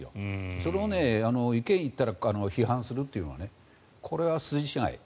それを、意見を言ったら批判するというのはこれは筋違い。